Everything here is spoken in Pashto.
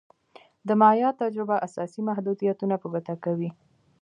د مایا تجربه اساسي محدودیتونه په ګوته کوي.